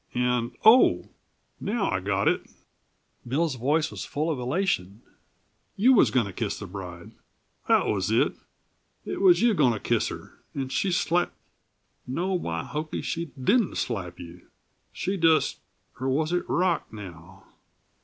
And oh, now I got it!" Bill's voice was full of elation. "You was goin' to kiss the bride that was it, it was you goin' to kiss her, and she slap no, by hokey, she didn't slap you, she just or was it Rock, now?"